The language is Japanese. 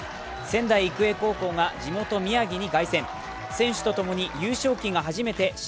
仙台育英高校が地元・宮城へ凱旋。